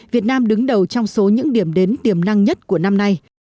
việt nam đứng đầu trong số những điểm đến tiềm năng nhất của năm nay